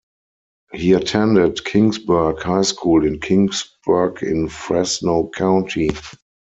He attended Kingsburg High School in Kingsburg in Fresno County.